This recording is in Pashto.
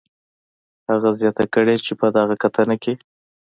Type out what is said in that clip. هغه زیاته کړې چې په دغه کتنه کې